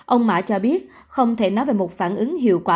ông mã cho biết không thể nói về một phản ứng hiệu quả